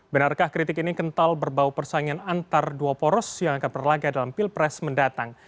benarkah kritik ini kental berbau persaingan antar dua poros yang akan berlaga dalam pilpres mendatang